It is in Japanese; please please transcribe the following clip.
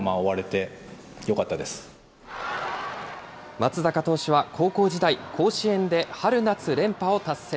松坂投手は高校時代、甲子園で春夏連覇を達成。